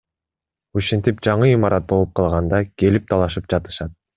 Ушинтип жаңы имарат болуп калганда келип талашып жатышат.